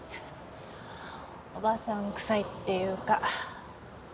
おばさんくさいっていうか。